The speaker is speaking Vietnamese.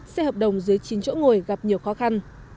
xe hợp đồng dưới chín chỗ ngồi gặp nhiều khó khăn